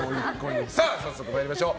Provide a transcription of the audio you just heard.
早速参りましょう。